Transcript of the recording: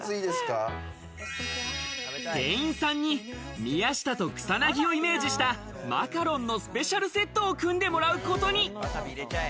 店員さんに宮下と草薙をイメージした、マカロンのスペシャルセットを組んでもらうことに。